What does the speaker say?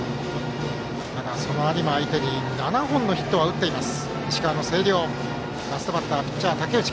ただ、その有馬相手に７本のヒットは打っています